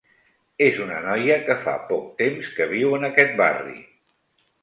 Es una noia que fa poc temps que viu en aquest barri